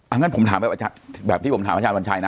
งั้นผมถามแบบที่ผมถามอาจารย์วัญชัยนะ